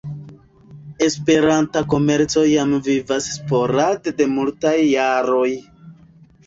Esperanta komerco jam vivas sporade de multaj jaroj.